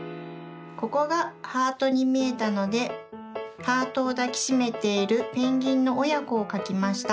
ここがハートにみえたのでハートをだきしめているペンギンのおやこをかきました。